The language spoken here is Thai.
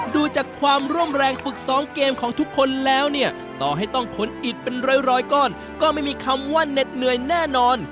ดูจากความร่วมแรงฝึกซ้อมเกมของทุกคนแล้วเนี่ยต่อให้ต้องขนอิดเป็นร้อยก้อนก็ไม่มีคำว่าเหน็ดเหนื่อยแน่นอน